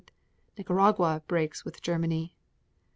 Nicaragua breaks with Germany.